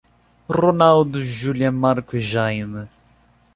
Ronaldo, Júlia, Marco e Jaime